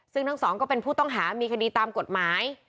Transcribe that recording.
ซึ่งทั้งสองก็เป็นผู้ต้องหามีคดีตามกฎหมาย